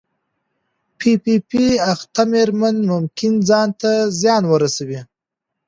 پی پي پي اخته مېرمنې ممکن ځان ته زیان ورسوي.